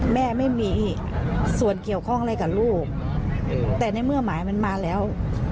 แม่ไม่มีส่วนเกี่ยวข้องอะไรกับลูกแต่ในเมื่อหมายมันมาแล้ว